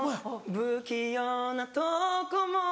不器用なとこも